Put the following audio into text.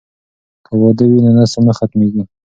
که واده وي نو نسل نه ختمیږي.